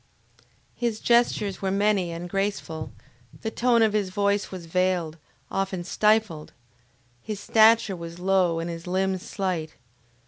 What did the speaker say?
His gestures were many and graceful; the tone of his voice was veiled, often stifled; his stature was low, and his limbs slight.